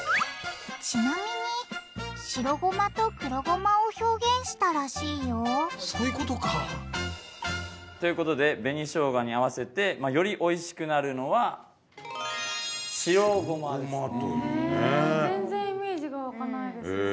ちなみに白ごまと黒ごまを表現したらしいよそういうことか。ということで紅しょうがに合わせてよりおいしくなるのは白ごまです。え？